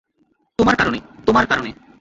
তোমার কারণে, তোমার কারণে।